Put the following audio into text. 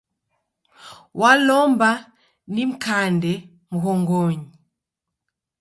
Walomba nimkande mghongonyi